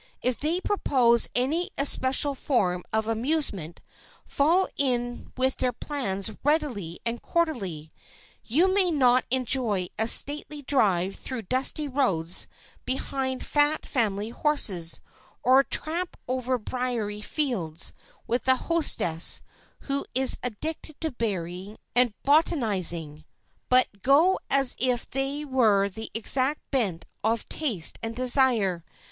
If they propose any especial form of amusement, fall in with their plans readily and cordially. You may not enjoy a stately drive through dusty roads behind fat family horses, or a tramp over briery fields with the hostess who is addicted to berrying and botanizing—but go as if that were the exact bent of taste and desire.